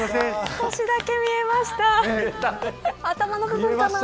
少しだけ見えました。